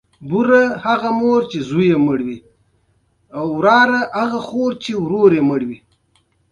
ملک ورته وویل سخته همدا ده چې څنګه اوس دا سړی راضي کړو.